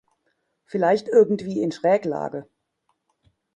Vielleicht irgendwie in Schräglage.